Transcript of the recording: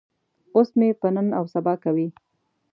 اوس مې په نن او سبا کوي.